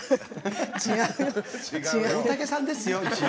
大竹さんですよ、一応。